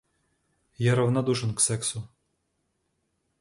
Я равнодушен к сексу.